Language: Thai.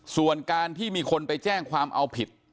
ส่วนการที่มีคนไปแจ้งความเอาผิด